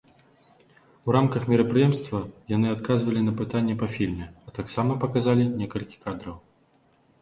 У рамках мерапрыемства яны адказвалі на пытанні па фільме, а таксама паказалі некалькі кадраў.